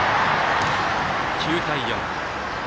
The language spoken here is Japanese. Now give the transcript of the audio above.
９対４。